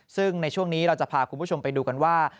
ซึ่งในช่วงนี้เราจะพาคุณผู้ชมไปดูกันว่า